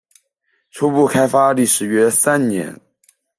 初步开发历时约三年。